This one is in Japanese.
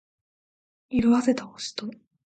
色褪せた星と